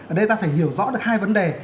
ở đây ta phải hiểu rõ được hai vấn đề